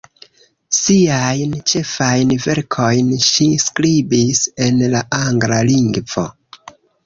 Siajn ĉefajn verkojn ŝi skribis en la angla lingvo.